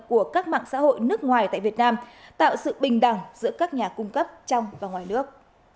của các mạng xã hội nước ngoài tại việt nam tạo sự bình đẳng giữa các nhà cung cấp trong và ngoài nước